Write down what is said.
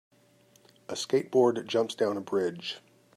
A skateboard jumps down a bridge